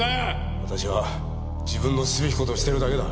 私は自分のすべき事をしているだけだ。